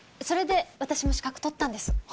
それで私も資格取ったんです。